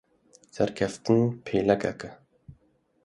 Serkeftin pêlikek e.